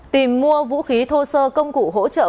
tìm mua vũ khí thô sơ công cụ hỗ trợ